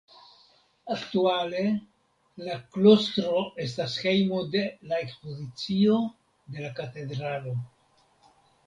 Aktuale la klostro estas hejmo de la ekspozicio de la katedralo.